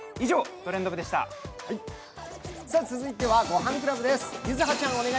続いては「ごはんクラブ」です。